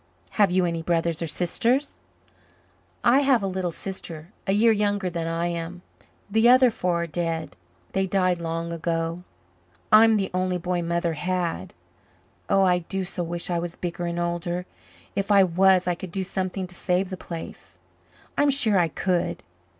"Have you any brothers or sisters?" "I have a little sister a year younger than I am. The other four are dead. They died long ago. I'm the only boy Mother had. Oh, I do so wish I was bigger and older! If I was I could do something to save the place I'm sure I could.